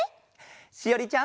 しおりちゃん。